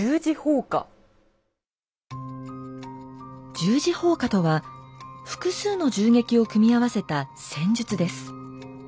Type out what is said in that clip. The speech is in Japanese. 「十字砲火」とは複数の銃撃を組み合わせた戦術です。